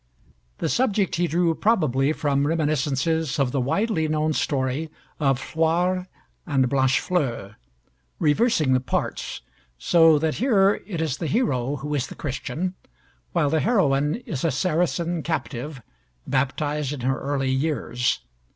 The subject he drew probably from reminiscences of the widely known story of Floire and Blanchefleur; reversing the parts, so that here it is the hero who is the Christian, while the heroine is a Saracen captive baptized in her early years.